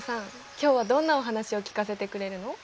今日はどんなお話を聞かせてくれるの？